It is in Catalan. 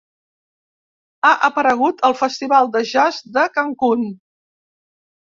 Ha aparegut al Festival de jazz de Cancun.